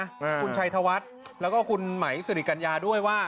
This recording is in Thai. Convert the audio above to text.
คุณชัยธวัฒน์แล้วก็คุณไหมสิริกัญญาด้วยว่า